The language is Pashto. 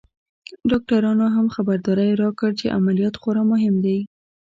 ډاکترانو هم خبرداری راکړ چې عمليات خورا مهم دی.